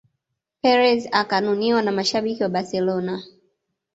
Perez akanuniwa na mashabiki wa Barcelona